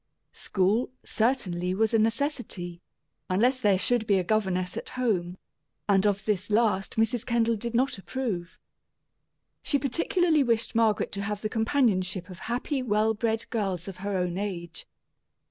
School, certainly, was a necessity, unless there should be a governess at home; and of this last Mrs. Kendall did not approve. She particularly wished Margaret to have the companionship of happy, well bred girls of her own age.